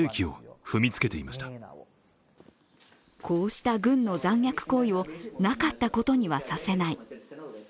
こうした軍の残虐行為をなかったことにはさせない。